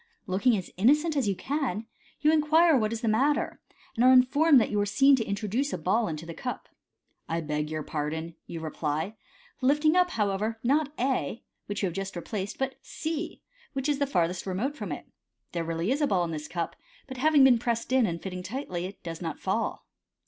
Looking as innocent as you can, you inquire ivhat is the matter, and are informed that you were seen to introduce t ball into the cup. " I beg your pardon," you reply, lifting up, however, not A, which you have just replaced, but C, which is the farthest remote from it. There is really a ball in this cup, but having been pressed in, and fitting tightly, it does not fall.